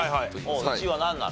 １位はなんなの？